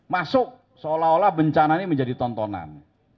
masuk seolah olah bencana ini menjadi tontonan